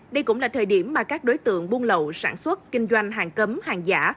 đây cũng là thời điểm mà các đối tượng buôn lậu sản xuất kinh doanh hàng cấm hàng giả